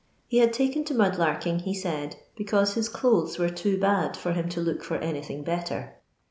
He had taken to mud larking, he said, because his dotlMt were too bad for him to look for any thing better.